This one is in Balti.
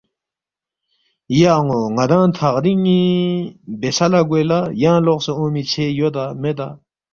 ”یا ان٘و ن٘دانگ تھغرِنگ بیسا لہ گوے لہ ینگ لوقسے اونگمی ژھے یودا میدا؟